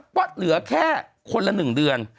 ว่าเหลือแค่คนละ๑เดือน